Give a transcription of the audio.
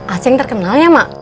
aceng terkenal ya mak